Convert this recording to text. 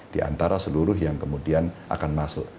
di antara seluruh yang kemudian akan masuk